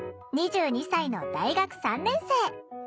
２２歳の大学３年生。